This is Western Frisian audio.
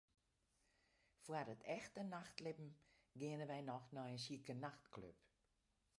Foar it echte nachtlibben geane wy noch nei in sjike nachtklup.